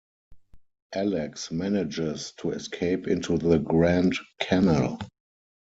Alex manages to escape into the Grand Canal.